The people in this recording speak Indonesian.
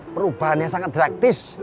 perubahannya sangat praktis